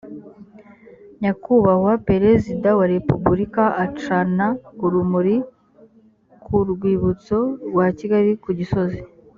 nyakubahwa perezida wa repubulika acana urumuri ku rwibutso rwa kigali ku gisozi.